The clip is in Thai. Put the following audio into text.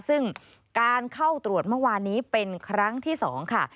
ซึ่งการเข้าตรวจเมื่อวานนี้เป็นครั้งที่๒ค่ะ